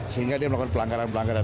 sehingga melakukan pelanggaran pelanggaran